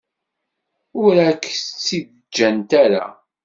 Ur ak-tt-id-ǧǧant ara.